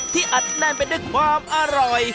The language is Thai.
อัดแน่นไปด้วยความอร่อย